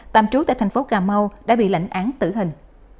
tạm trú tại thành phố cà mau đã bị lệnh án tử hình